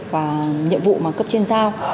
và nhiệm vụ mà cấp trên dao